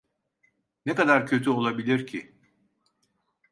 Ne kadar kötü olabilir ki?